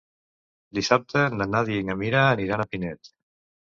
Dissabte na Nàdia i na Mira aniran a Pinet.